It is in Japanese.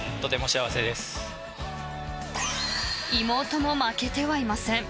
妹も負けてはいません。